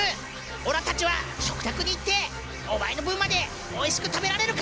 オラたちは食卓に行ってお前の分までおいしく食べられるからな！